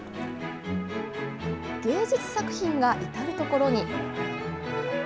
芸術作品が至る所に。